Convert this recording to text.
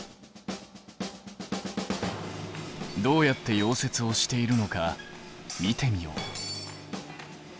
どうやって溶接をしているのか見てみよう。